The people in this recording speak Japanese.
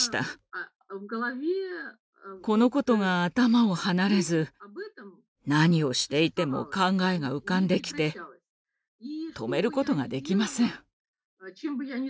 このことが頭を離れず何をしていても考えが浮かんできて止めることができません。